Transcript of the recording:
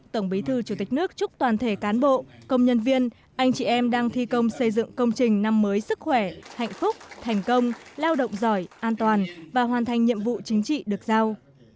tổng bí thư chủ tịch nước chúc toàn thể cán bộ công nhân viên anh chị em đang thi công xây dựng công trình năm mới sức khỏe hạnh phúc thành công lao động giỏi an toàn và hoàn thành nhiệm vụ chính trị được giao